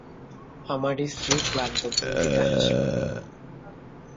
আমার স্ত্রী ক্লান্ত ভঙ্গিতে হাসল।